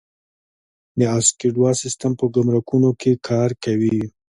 د اسیکوډا سیستم په ګمرکونو کې کار کوي؟